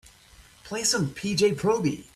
Play some P. J. Proby